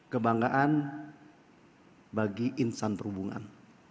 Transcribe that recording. kebanggaan bagi insan perhubungan